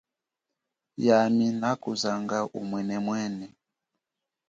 Yami nakuzanga umwenemwene.